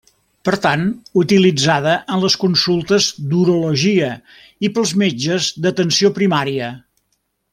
Per tant, utilitzada en les consultes d'urologia i pels metges d'atenció primària.